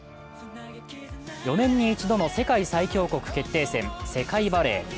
４年に一度の世界最強国決定戦、世界バレー。